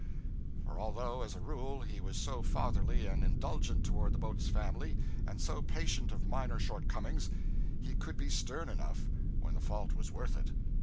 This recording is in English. For although, as a rule, he was so fatherly and indulgent toward the boat's family, and so patient of minor shortcomings, he could be stern enough when the fault was worth it.